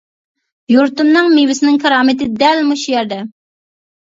يۇرتۇمنىڭ مېۋىسىنىڭ كارامىتى دەل مۇشۇ يەردە!